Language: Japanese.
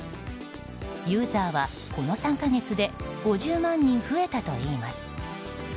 ユーザーはこの３か月で５０万人増えたといいます。